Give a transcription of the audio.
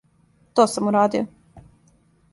То сам урадио.